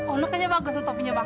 oh mukanya bagus dan topinya bang